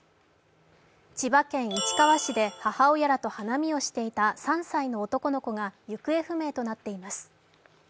千葉県市川市で母親らと花見をしていた３歳の男の子が行方不明となっています。